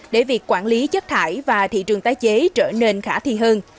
để việc quản lý chất thải và thị trường tái chế trở nên khả thi hơn